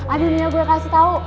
ada nih yang gue kasih tau